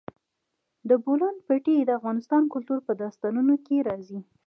د بولان پټي د افغان کلتور په داستانونو کې راځي.